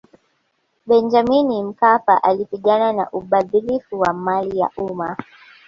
benjamini mkapa alipigana na ubadhirifu wa mali ya umma